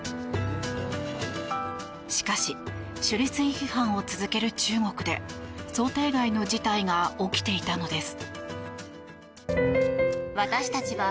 しかし処理水批判を続ける中国で想定外の事態が起きていたのです。